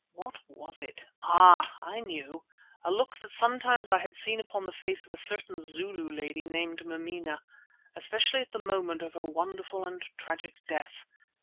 What was it? Ah! I knew. A look that sometimes I had seen upon the face of a certain Zulu lady named Mameena, especially at the moment of her wonderful and tragic death.